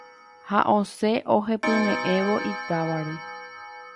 ha osẽ ohepyme'ẽvo itávare